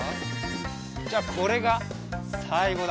じゃあこれがさいごだ。